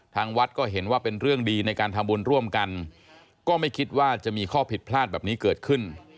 ทางวัดก็เห็นว่าเป็นเรื่องดีในการทำบุญร่วมกันก็ไม่คิดว่าจะมีข้อผิดพลาดแบบนี้เกิดขึ้น